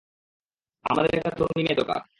আমাদের একটা তরুণী মেয়ে দরকার।